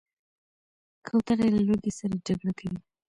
کوتره له لوږې سره جګړه کوي.